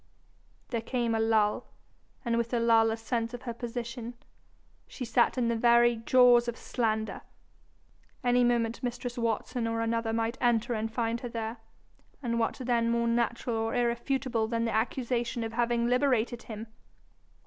There came a lull, and with the lull a sense of her position: she sat in the very, jaws of slander! Any moment mistress Watson or another might enter and find her there, and what then more natural or irrefutable than the accusation of having liberated him?